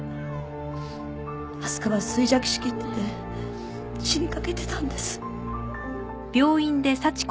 明日香は衰弱しきってて死にかけてたんです。